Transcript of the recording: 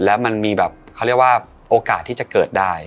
แล้วมันมีโอกาสที่จะเกิดได้